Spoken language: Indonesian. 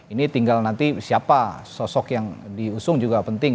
ini tinggal nanti siapa sosok yang diusung juga penting